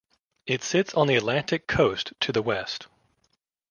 It sits on the Atlantic coast to the west.